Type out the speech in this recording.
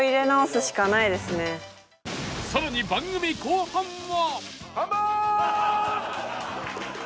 更に番組後半は